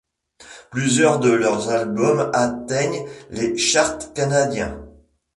Plusieurs de leurs albums atteignent les charts canadiens.